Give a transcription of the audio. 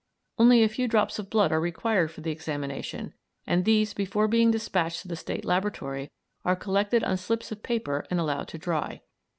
Only a few drops of blood are required for the examination, and these before being despatched to the State Laboratory are collected on slips of paper and allowed to dry.